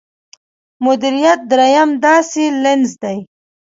مديريت درېيم داسې لينز دی.